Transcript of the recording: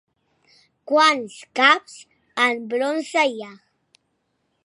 Quants caps en bronze hi ha?